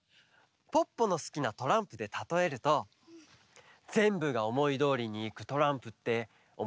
ポッポのすきなトランプでたとえるとぜんぶがおもいどおりにいくトランプっておもしろくないでしょ？